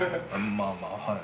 「まあまあはい」